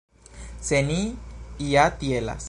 Se ni ja tielas.